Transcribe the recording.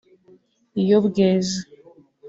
iyo bweze